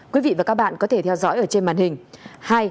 quý vị và các bạn có thể theo dõi ở trên màn hình